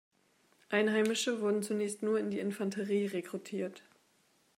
Einheimische wurden zunächst nur in die Infanterie rekrutiert.